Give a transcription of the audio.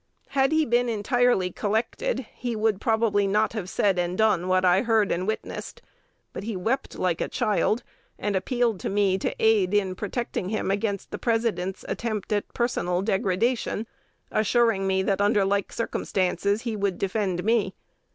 Had he been entirely collected, he would probably not have said and done what I heard and witnessed; but he wept like a child, and appealed to me to aid in protecting him against the President's attempt at personal degradation, assuring me that under like circumstances he would defend me.